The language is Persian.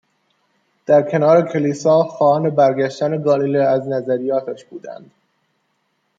در کنار کلیسا، خواهان برگشتن گالیه از نظریاتش بودند.